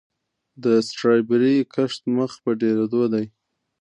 د سټرابیري کښت مخ په ډیریدو دی.